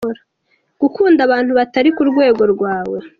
Gukunda abantu batari ku rwego rwawe.